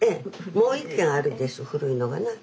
もう１軒あるんです古いのがな。